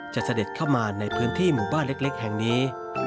เสด็จเข้ามาในพื้นที่หมู่บ้านเล็กแห่งนี้